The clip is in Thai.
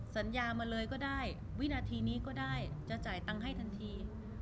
สัญญามาเลยก็ได้วินาทีนี้ก็ได้จะจ่ายตังค์ให้ทันที